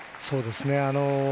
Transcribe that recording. そうですね。